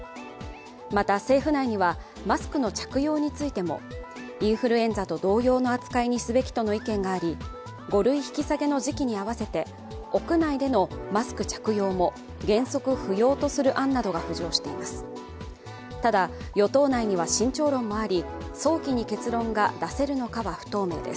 また、政府内にはマスクの着用についてもインフルエンザと同様の扱いにすべきとの意見があり、５類引き下げの時期に合わせて、屋内でのマスク着用も原則不要とする案などが浮上しています。